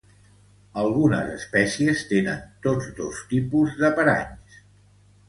Algunes espècies tenen tots dos tipus de paranys.